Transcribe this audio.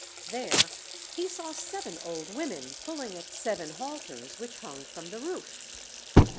There he saw seven old women pulling at seven halters which hung from the roof.